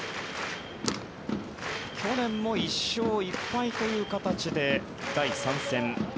去年も１勝１敗という形で第３戦。